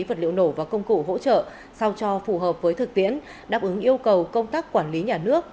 vật liệu nổ và công cụ hỗ trợ sao cho phù hợp với thực tiễn đáp ứng yêu cầu công tác quản lý nhà nước